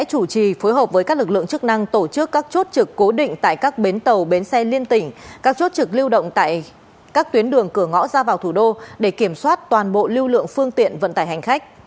các chốt trực lưu động tại các tuyến đường cửa ngõ ra vào thủ đô để kiểm soát toàn bộ lưu lượng phương tiện vận tải hành khách